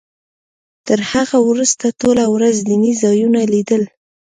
تر هغه وروسته ټوله ورځ دیني ځایونه لیدل.